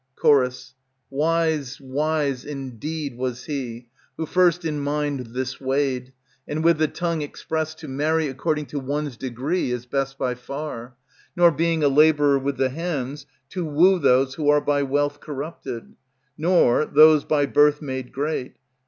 Ch. Wise, wise indeed was he, Who first in mind This weighed, and with the tongue expressed, To marry according to one's degree is best by far; Nor, being a laborer with the hands, To woo those who are by wealth corrupted, Nor, those by birth made great.